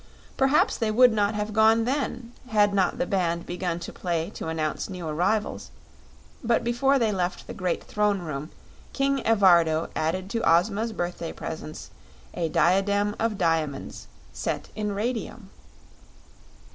Perhaps they would not have gone then had not the band begun to play to announce new arrivals; but before they left the great Throne Room King Evardo added to Ozma's birthday presents a diadem of diamonds set in radium.